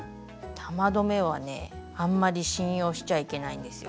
玉留めはねあんまり信用しちゃいけないんですよ。